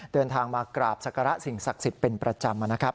เดินทางมากราบศักระสิ่งศักดิ์สิทธิ์เป็นประจำนะครับ